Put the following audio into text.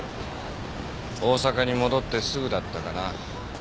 大阪に戻ってすぐだったかな。